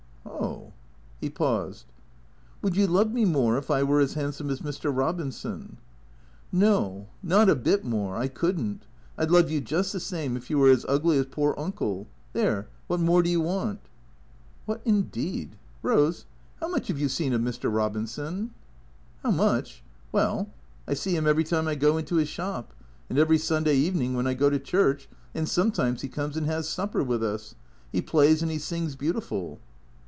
" Oh." He paused. " Would you love me more if I were as handsome as Mr. Eobinson ?"" No. Not a bit more. I could n't. I 'd love you just the same if you were as ugly as poor Uncle. There, what more do you want? "" What, indeed ? Eose, how much have you seen of Mr. Eobinson?" " How much ? Well — I see him every time I go into his shop. And every Sunday evening when I go to church. And sometimes he comes and has supper with us. 'E plays and 'e sings beautiful."